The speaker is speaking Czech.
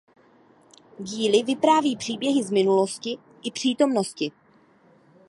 Díly vypráví příběhy z minulosti i přítomnosti.